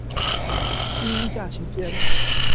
育嬰假期間